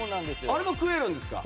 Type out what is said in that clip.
あれも食えるんですか？